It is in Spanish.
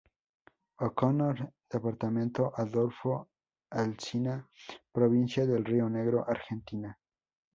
O'Connor, Departamento Adolfo Alsina, Provincia de Río Negro, Argentina.